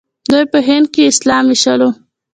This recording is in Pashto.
دوی په هند کې اسلام وويشلو.